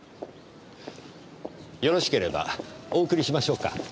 よろしければお送りしましょうか？